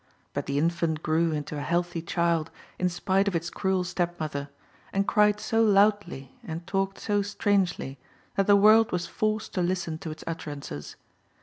But the infant grew into a healthy child in spite of its cruel stepmother, and cried so loudly and talked so strangely that the world was forced to listen to its utterances.